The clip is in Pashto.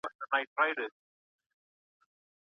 که سړک غاړې پلورونکي پاکوالي ته پام وکړي، نو کثافات نه ډیریږي.